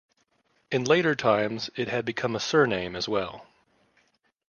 In later times, it had become a surname as well.